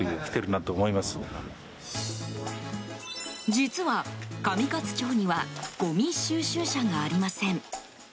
実は、上勝町にはごみ収集車がありません。